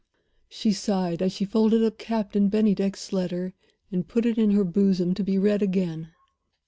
She sighed as she folded up Captain Bennydeck's letter and put it in her bosom, to be read again.